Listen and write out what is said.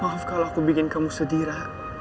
maaf kalau aku bikin kamu sedih